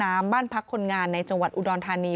ในห้อมน้ำบ้านพักคนงานในจังหวัดอุดรธานี